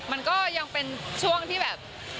มันก็ยังเป็นช่วงที่แบบ